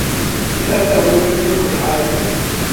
لِأَنَّهُ لَمْ يَكُنْ عَالِمًا